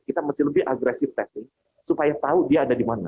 kita mesti lebih agresif testing supaya tahu dia ada di mana